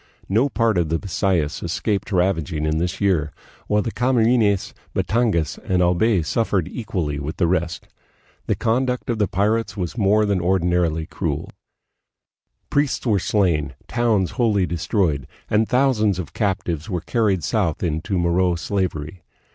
No part of the Bisayas escaped ravaging in this year, while the Camarines, Batangas, and Albay suffered equally with the rest. The conduct of the pirates was more than or dinarily cruel. Priests were slain, towns wholly destroyed, and thousands of captives were carried south into Moro slavery.